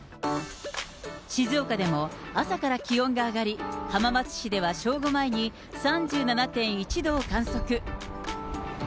静岡でも朝から気温が上がり、浜松市では正午前に３７．１度を観測。